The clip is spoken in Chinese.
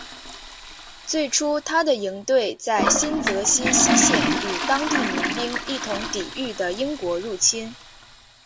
最初他的营队在新泽西西线与当地民兵一同抵御的英国入侵。